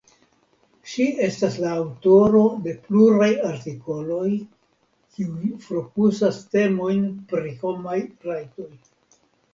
Ŝi estas la aŭtoro de pluraj artikoloj kiuj fokusas temojn pri homaj rajtoj.